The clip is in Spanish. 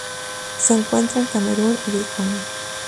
Se encuentra en Camerún y el Congo.